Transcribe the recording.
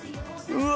うわ。